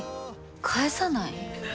返さない？